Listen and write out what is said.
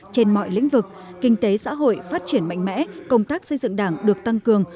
trên mọi lĩnh vực kinh tế xã hội phát triển mạnh mẽ công tác xây dựng đảng được tăng cường